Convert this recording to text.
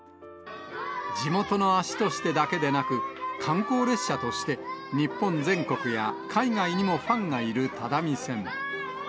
地元の足としてだけでなく、観光列車として、日本全国や海外にもファンがいる只見線。